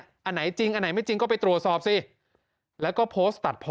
อันไหนจริงอันไหนไม่จริงก็ไปตรวจสอบสิแล้วก็โพสต์ตัดพอ